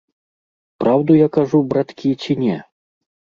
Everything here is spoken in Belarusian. Праўду я кажу, браткі, ці не?